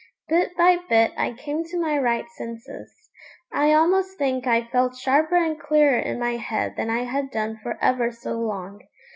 Bit by bit I came to my right senses. I almost think I felt sharper and clearer in my head than I had done for ever so long.